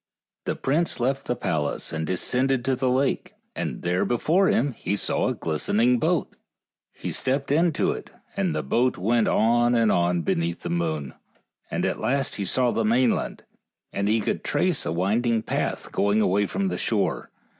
The prince left the palace and descended to the lake, and there before him he saw a glistening boat; he stepped into it, and the boat went on and on beneath the moon, and at last he saw the mainland, and he could trace a winding path way going away from the shore.